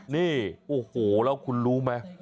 นี่โอ้โหแล้วคุณรู้ไหม